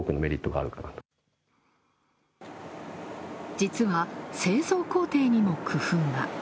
実は製造工程にも工夫が。